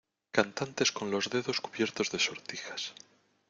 cantantes con los dedos cubiertos de sortijas